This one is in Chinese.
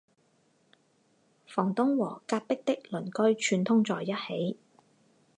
房东和隔壁的邻居串通在一起